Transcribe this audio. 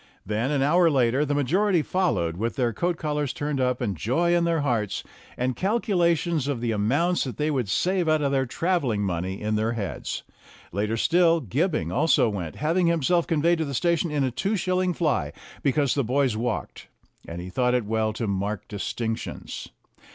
Then, an hour later, the majority followed with their coat collars turned up and joy in their hearts, and calculations of the amounts that they would save out of their travelling money in their heads. Later still, Gibbing also went, having himself conveyed to the station in a two shilling fly, because the boys walked, and he thought it well to mark distinctions.